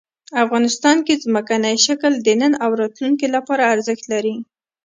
افغانستان کې ځمکنی شکل د نن او راتلونکي لپاره ارزښت لري.